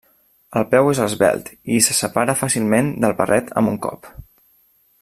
El peu és esvelt i se separa fàcilment del barret amb un cop.